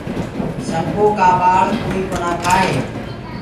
سنگو ڪآ ٻآݪ ڪوئي ڪونآ کآئي۔